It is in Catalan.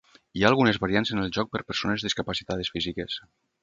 Hi ha algunes variants en el joc per persones discapacitades físiques.